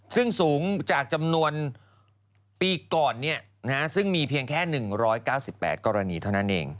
ซึ่งสูงจากจำนวนปีก่อนซึ่งมีเพียงแค่๑๙๘กรณีเท่านั้นเอง